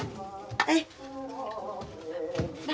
はい。